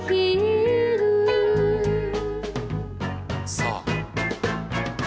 「さあ」